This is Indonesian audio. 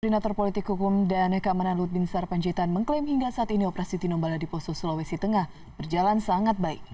koordinator politik hukum dan keamanan lut bin sarpanjaitan mengklaim hingga saat ini operasi tinombala di poso sulawesi tengah berjalan sangat baik